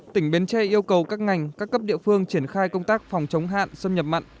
tỉnh bến tre yêu cầu các ngành các cấp địa phương triển khai công tác phòng chống hạn xâm nhập mặn